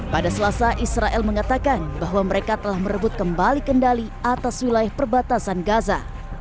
pada selasa israel mengatakan bahwa mereka telah merebut kembali kendali atas wilayah perbatasan gaza